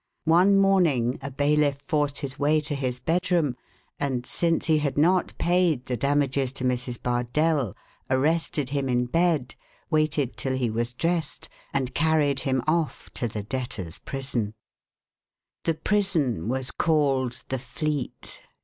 One morning a bailiff forced his way to his bedroom and, since he had not paid the damages to Mrs. Bardell, arrested him in bed, waited till he was dressed and carried him off to the debtors' prison. The prison was called The Fleet.